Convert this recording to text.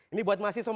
ini buat masih soma